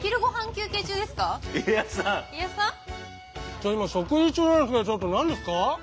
ちょ今食事中なんですけどちょっと何ですか？